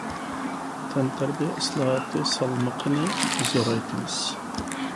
تەنتەربىيە ئىسلاھاتى سالمىقىنى زورايتىمىز.